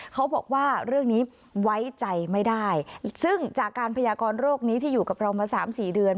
เขาบอกว่าเรื่องนี้ไว้ใจไม่ได้ซึ่งจากการพยากรโรคนี้ที่อยู่กับเรามาสามสี่เดือน